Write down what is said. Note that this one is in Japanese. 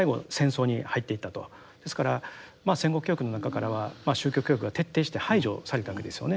ですから戦後教育の中からは宗教教育が徹底して排除されたわけですよね。